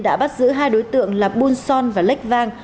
đã bắt giữ hai đối tượng là buôn son và lách vang